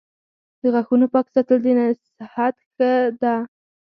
• د غاښونو پاک ساتل د صحت نښه ده.